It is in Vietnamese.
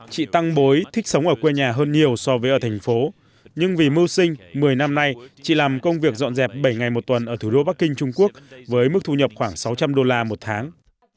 chị tăng bối thích sống ở quê nhà hơn nhiều so với ở thành phố nhưng vì mưu sinh một mươi năm nay chị làm công việc dọn dẹp bảy ngày một tuần ở thủ đô bắc kinh trung quốc với mức thu nhập khoảng sáu trăm linh đô la một tháng